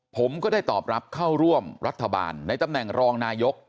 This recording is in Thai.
ผมก็ได้ตอบรับเข้าร่วมรัฐบาลในตำแหน่งรองนายก